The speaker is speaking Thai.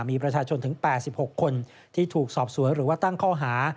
มีประชาชนถึง๘๖คนที่ถูกสอบสวนหรือว่าตั้งข้อหา